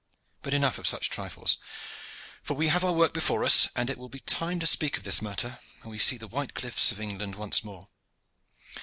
But enough of such trifles, for we have our work before us, and it will be time to speak of this matter when we see the white cliffs of England once more.